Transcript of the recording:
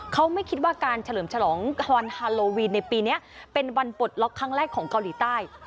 เขาไม่คิดว่าการเฉลิมฉลองฮอนฮาโลวีนในปีนี้เป็นวันปลดล็อกครั้งแรกของเกาหลีใต้